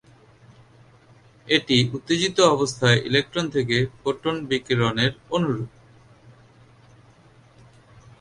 এটি উত্তেজিত অবস্থায় ইলেকট্রন থেকে ফোটন বিকিরণের অনুরূপ।